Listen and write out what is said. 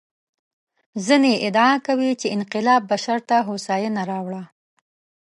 ځینې ادعا کوي چې انقلاب بشر ته هوساینه راوړه.